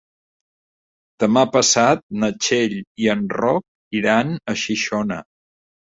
Demà passat na Txell i en Roc iran a Xixona.